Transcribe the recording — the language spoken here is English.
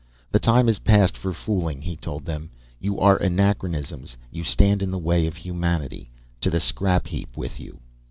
"The time is past for fooling," he told them. "You are anachronisms. You stand in the way of humanity. To the scrap heap with you."